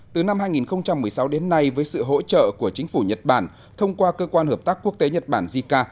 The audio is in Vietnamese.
từ năm hai nghìn một mươi sáu đến nay với sự hỗ trợ của chính phủ nhật bản thông qua cơ quan hợp tác quốc tế nhật bản jica